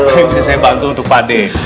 apa yang bisa saya bantu untuk pak d